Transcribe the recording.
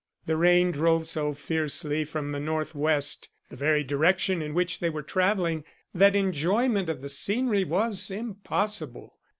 The rain drove so fiercely from the northwest, the very direction in which they were traveling, that enjoyment of the scenery was impossible.